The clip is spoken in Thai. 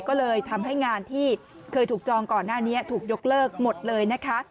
ก็เลยทำให้งานที่เคยถูกจองก่อนหน้านี้ถูกยกเลิกหมดเลยนะคะ